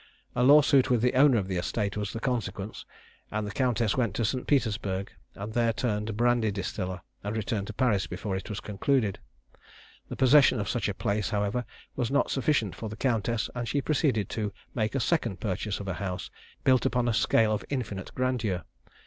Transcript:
A lawsuit with the owner of the estate was the consequence, and the countess went to St. Petersburgh, and there turned brandy distiller, and returned to Paris before it was concluded. The possession of such a place, however, was not sufficient for the countess, and she proceeded to make a second purchase of a house, built upon a scale of infinite grandeur.